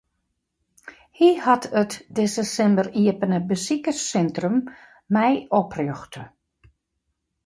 Hy hat it dizze simmer iepene besikerssintrum mei oprjochte.